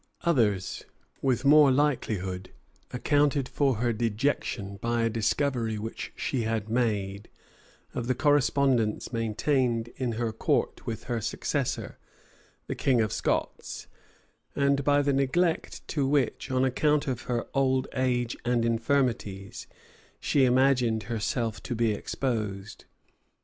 Others, with more likelihood, accounted for her dejection by a discovery which she had made, of the correspondence maintained in her court with her successor, the king of Scots, and by the neglect to which, on account of her old age and infirmities, she imagined herself to be exposed.